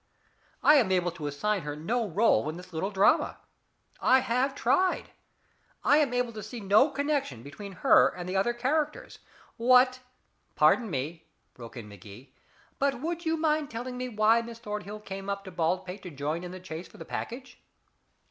I am able to assign her no rôle in this little drama. I have tried. I am able to see no connection between her and the other characters. What " "Pardon me," broke in Magee. "But would you mind telling me why Miss Thornhill came up to Baldpate to join in the chase for the package?"